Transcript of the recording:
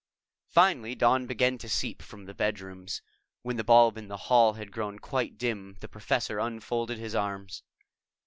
Finally dawn began to seep from the bedrooms. When the bulb in the hall had grown quite dim, the Professor unfolded his arms.